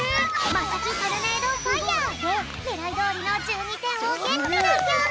まさきトルネードファイアでねらいどおりの１２てんをゲットだぴょん！